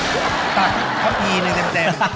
ตัดข้าวผีหนึ่งแจ่ม